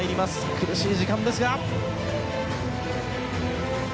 苦しい時間ですが。